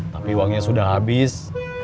tapi uangnya sudah habis